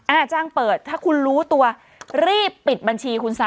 จ้างเปิดถ้าคุณรู้ตัวรีบปิดบัญชีคุณซะ